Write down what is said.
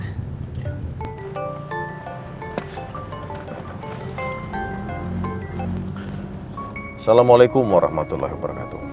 assalamualaikum warahmatullahi wabarakatuh